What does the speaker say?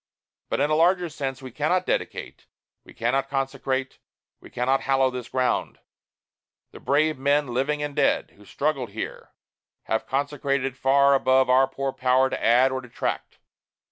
But in a larger sense, we cannot dedicate, we cannot consecrate, we cannot hallow this ground. The brave men, living and dead, who struggled here, have consecrated it far above our poor power to add or detract.